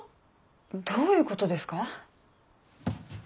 どういうことですか？